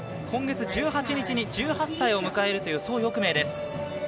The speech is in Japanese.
今月１８日に１８歳を迎えるという蘇翊鳴です。